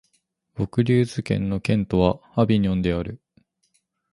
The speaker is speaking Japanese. ヴォクリューズ県の県都はアヴィニョンである